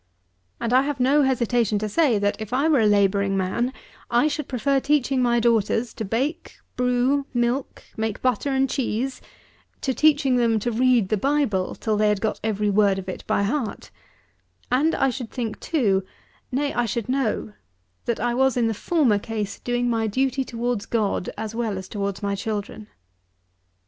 And I have no hesitation to say, that if I were a labouring man, I should prefer teaching my daughters to bake, brew, milk, make butter and cheese, to teaching them to read the Bible till they had got every word of it by heart; and I should think, too, nay I should know, that I was in the former case doing my duty towards God as well as towards my children.